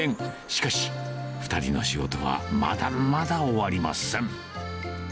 しかし、２人の仕事はまだまだ終わりません。